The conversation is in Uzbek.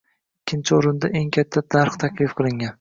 Ikkinchi oʻrinda eng katta narx taklif qilgan